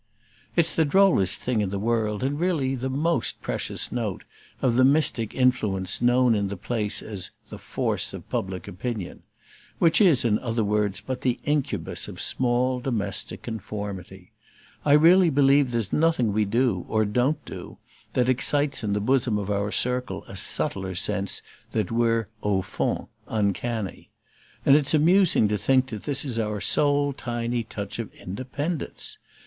It's the drollest thing in the world, and really the most precious note of the mystic influence known in the place as "the force of public opinion" which is in other words but the incubus of small domestic conformity; I really believe there's nothing we do, or don't do, that excites in the bosom of our circle a subtler sense that we're "au fond" uncanny. And it's amusing to think that this is our sole tiny touch of independence!